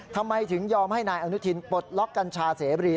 ทำไมถึงยอมให้นายอนุทินปลดล็อกกัญชาเสบรี